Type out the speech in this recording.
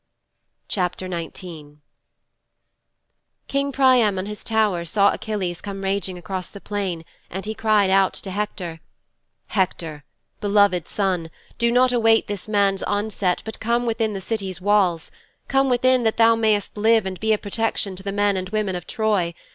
XIX King Priam on his tower saw Achilles come raging across the plain and he cried out to Hector, "Hector, beloved son, do not await this man's onset but come within the City's walls. Come within that thou mayst live and be a protection to the men and women of Troy.